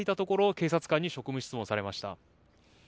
警察官に職務質問されました。